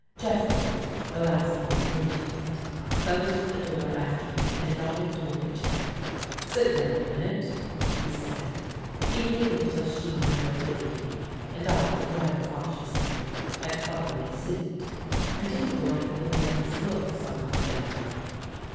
Jeffrey, the last one into it, closed the door after him and nodded toward a chair. " Sit down a min ute," he said. He waited till Shean had obeyed him and I, rather cautiously, had followed suit. I didn't like the man's looks altogether.